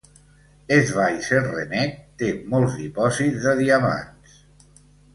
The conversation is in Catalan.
Schweizer-Reneke té molts dipòsits de diamants.